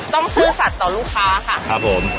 ซื่อสัตว์ต่อลูกค้าค่ะครับผม